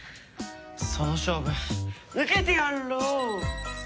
その勝負受けてやろう。